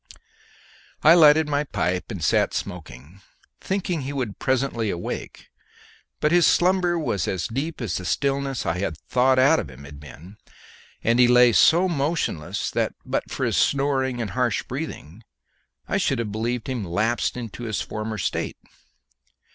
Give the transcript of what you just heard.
I lighted my pipe and sat smoking, thinking he would presently awake; but his slumber was as deep as the stillness I had thawed him out of had been, and he lay so motionless that, but for his snoring and harsh breathing, I should have believed him lapsed into his former state.